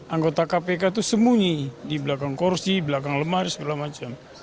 anggota kpk itu sembunyi di belakang korupsi belakang lemari segala macam